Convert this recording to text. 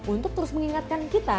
untuk terus mengingatkan kita